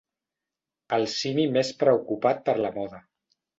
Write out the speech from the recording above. El simi més preocupat per la moda.